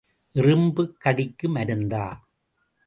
எறும்புக் கடிக்கு மருந்தா?